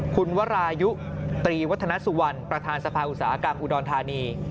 คุณวรายุตรีวัฒนสุวรรณประธานสภาอุตสาหกรรมอุดรธานี